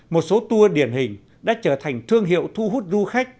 một số tour điển hình đã trở thành thương hiệu thu hút du khách